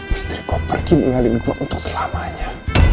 istri gua pergi tinggalin gua untuk selamanya